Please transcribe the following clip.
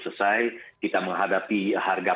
selesai kita menghadapi harga